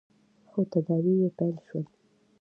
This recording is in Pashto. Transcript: خو تداوې يې پیل شول.